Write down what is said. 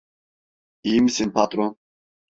İyi misin patron?